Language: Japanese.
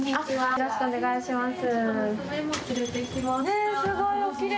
よろしくお願いします。